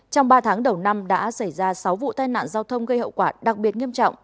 trong ba tháng đầu năm đã xảy ra sáu vụ tai nạn giao thông gây hậu quả đặc biệt nghiêm trọng